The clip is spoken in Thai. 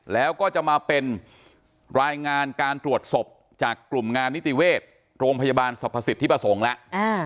แล้วก็จะมาเป็นรายงานการตรวจศพจากกลุ่มงานนิติเวชโรงพยาบาลสรรพสิทธิประสงค์แล้ว